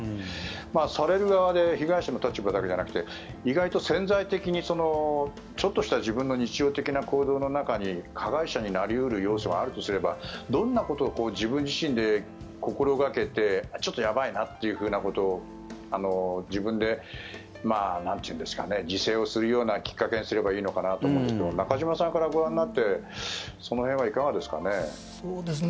される側で被害者の立場だけじゃなくて意外と潜在的にちょっとした自分の日常的な行動の中に加害者になり得る要素があるとすればどんなことを自分自身で心掛けてちょっとやばいなということを自分で自制をするようなきっかけにすればいいのかなと思うんですが中島さんからご覧になってその辺はいかがですかね。